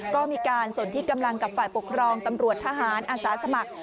ก็มีการสนที่กำลังกับฝ่ายปกครองตำรวจทหารอาสาสมัคร